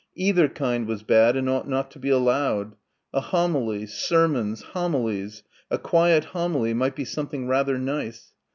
Either kind was bad and ought not to be allowed ... a homily ... sermons ... homilies ... a quiet homily might be something rather nice